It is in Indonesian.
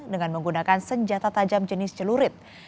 dengan menggunakan senjata tajam jenis celurit